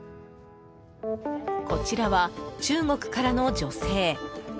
こちらは中国からの女性。